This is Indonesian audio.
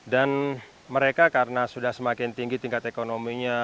dan mereka karena sudah semakin tinggi tingkat ekonominya